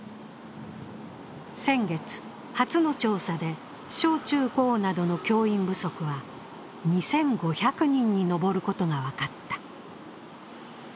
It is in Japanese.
先月、初の調査で小・中・高などの教員不足は２５００人に上ることが分かった。